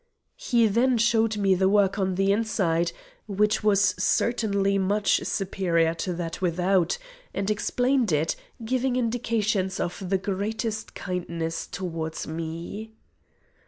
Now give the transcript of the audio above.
He then showed the work on the inside, which was certainly much superior to that without, and explained it, giving indications of the greatest kindness towards me.